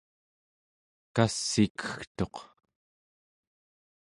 kass'ikegtuq